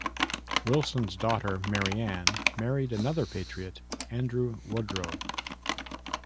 Wilson's daughter, Mary Ann, married another patriot, Andrew Wodrow.